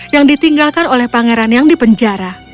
yang ditinggalkan oleh pangeran yang dipenjara